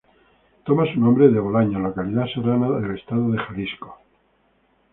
Toma su nombre de Bolaños, localidad serrana del estado de Jalisco.